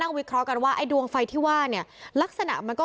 วิเคราะห์กันว่าไอ้ดวงไฟที่ว่าเนี่ยลักษณะมันก็